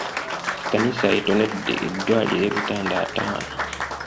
Ekkanisa ettonedde eddwaliro ebitanda ataano.